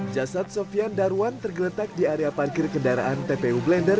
jasad sofian darwan tergeletak di area parkir kendaraan tpu blender